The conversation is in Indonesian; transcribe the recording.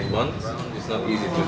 tidak mudah untuk bergabung dengan tim